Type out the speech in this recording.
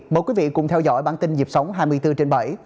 mời quý vị cùng theo dõi bản tin nhịp sống hai mươi bốn trên bảy